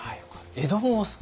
江戸もお好き？